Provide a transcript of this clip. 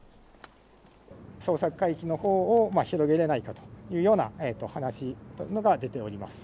捜索海域のほうを広げれないかというような話というのが出ております。